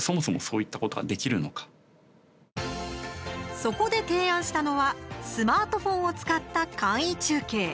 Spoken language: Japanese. そこで提案したのはスマートフォンを使った簡易中継。